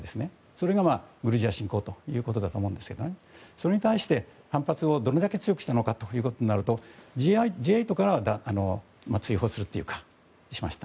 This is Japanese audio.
それがグルジア侵攻というわけだと思うんですがそれに対して、反発をどれだけ強くしたのかということになるとＧ８からは追放しました。